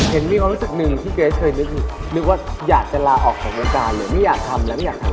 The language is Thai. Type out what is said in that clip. เห็นมีความรู้สึกหนึ่งที่เก๊ชเคยนึกว่าอยากจะลาออกของโรงการหรือไม่อยากทำแล้วไม่อยากทำ